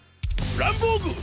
ランボーグ！